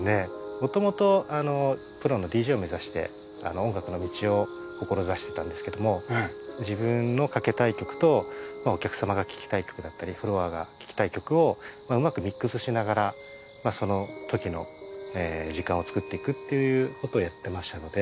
もともとあのプロのＤＪを目指して音楽の道を志してたんですけども自分のかけたい曲とまぁお客様が聴きたい曲だったりフロアが聴きたい曲をうまくミックスしながらまぁその時の時間をつくっていくっていうことをやってましたので。